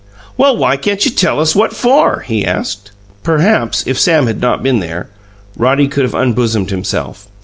"Well, why can't you tell us what FOR?" he asked. Perhaps if Sam had not been there, Roddy could have unbosomed himself.